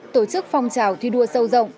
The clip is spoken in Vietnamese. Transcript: tổ chức phong trào thi đua sâu rộng